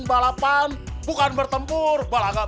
balapan bukan bertempur